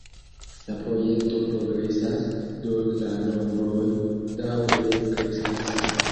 La projekto progresas, do la nombroj daŭre kreskas.